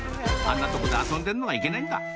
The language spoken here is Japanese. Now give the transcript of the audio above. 「あんなとこで遊んでるのがいけないんだ」